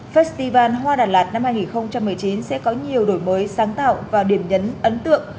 festival hoa đà lạt năm hai nghìn một mươi chín sẽ có nhiều đổi mới sáng tạo và điểm nhấn ấn tượng